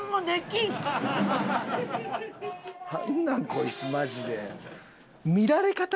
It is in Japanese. こいつマジで。